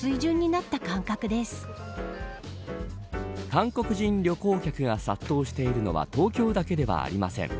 韓国人旅行客が殺到しているのは東京だけではありません。